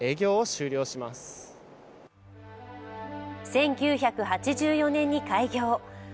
更に１９８４年に開業。